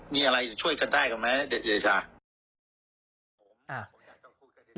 มีอะไรช่วยกันได้กันไหมเดชา